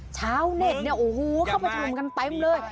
ชาวเนทนี่โอ้โฮเข้ามาทมกันไตม์เลย